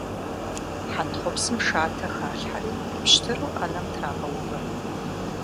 Хьэнтхъупсым шатэ халъхьэри пщтыру Ӏэнэм трагъэувэ.